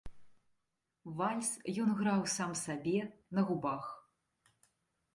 Вальс ён граў сам сабе на губах.